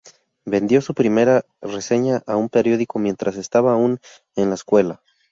Vendió su primera reseña a un periódico mientras estaba aún en la escuela.